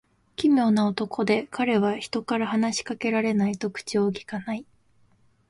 奇妙な男で、彼は人から話し掛けられないと口をきかない。